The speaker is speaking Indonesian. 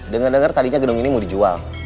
dengar dengar tadinya gedung ini mau dijual